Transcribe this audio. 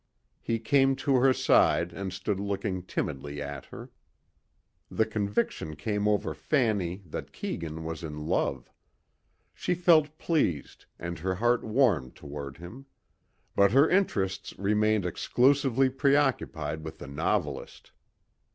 He came to her side and stood looking timidly at her. The conviction came over Fanny that Keegan was in love. She felt pleased and her heart warmed toward him. But her interests remained exclusively preoccupied with the novelist.